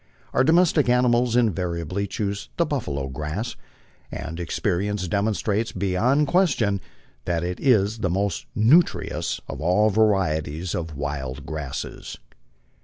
Our domestic animals invariably choose the buffalo grass, and experience demon strates beyond question that it is the most nutritious of all varieties of wild grass.